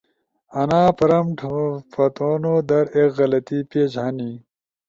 انا پرمپٹ پھتونودر ایک غلطی پیش ہنی